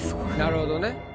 なるほどね。